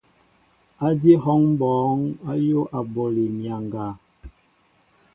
Adi hɔŋɓɔɔŋ ayōō aɓoli myaŋga.